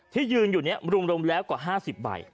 ที่ยืนอยู่เนี่ยรุมแล้วกว่าห้าสิบใบ